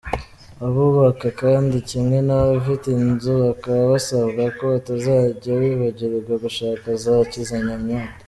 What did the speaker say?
Abubaka kandi kimwe n’abafite inzu bakaba basabwa ko batazajya bibagirwa gushaka za kizamyamwoto.